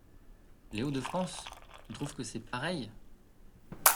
Les Hauts-de-France? Tu trouves que c’est pareil ?